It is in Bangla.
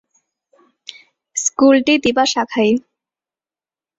স্কুলটি দিবা শাখায়।